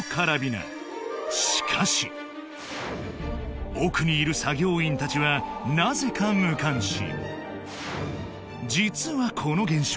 しかし奥にいる作業員たちはなぜか実はこの現象